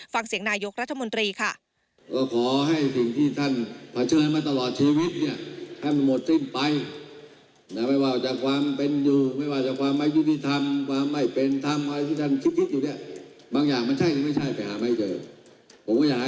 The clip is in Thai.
ฟังเสียงนายกรัฐมนตรีค่ะ